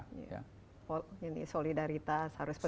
solidaritas harus penderitaan lain